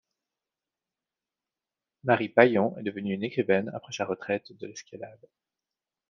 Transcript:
Mary Paillon est devenue une écrivaine après sa retraite de l'escalade.